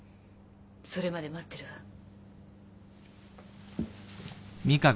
それまで待ってるわ。